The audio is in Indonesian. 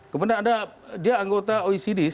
kemudian ada dia anggota oecd